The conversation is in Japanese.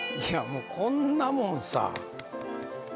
もうこんなもんさ